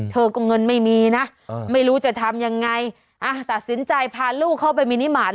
เธอก็เงินไม่มีนะไม่รู้จะทำยังไงอ่ะตัดสินใจพาลูกเข้าไปมีนิมาตร